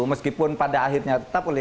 meskipun pada akhirnya tetap oleh